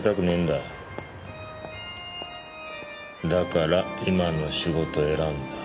だから今の仕事を選んだ。